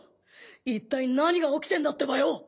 いったい何が起きてんだってばよ！